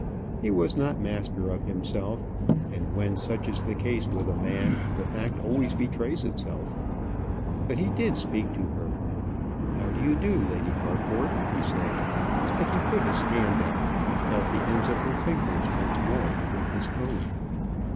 He was not master of himself, and when such is the case with a man, the fact always betrays itself. But he did speak to her. "How do you do, Lady Harcourt?" he said, and he put his hand out, and he felt the ends of her fingers once more within his own.